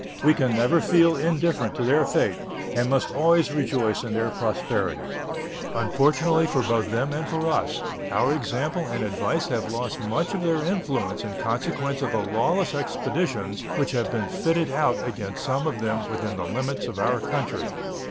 We can never feel indifferent to their fate, and must always rejoice in their prosperity. Unfortunately both for them and for us, our example and advice have lost much of their influence in consequence of the lawless expeditions which have been fitted out against some of them within the limits of our country.